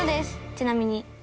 ちなみに。